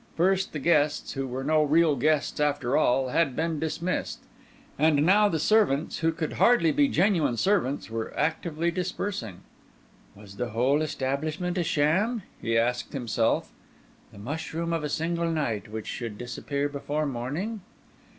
First, the guests, who were no real guests after all, had been dismissed; and now the servants, who could hardly be genuine servants, were actively dispersing. '"Was the whole establishment a sham?" he asked himself. "The mushroom of a single night which should disappear before morning?"